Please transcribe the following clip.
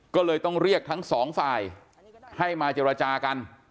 ก็เลยต้องเรียกทั้งสองฝ่ายให้มาเจรจากัน